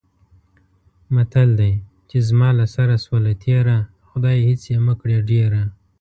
متل دی: چې زما له سره شوله تېره، خدایه هېڅ یې مه کړې ډېره.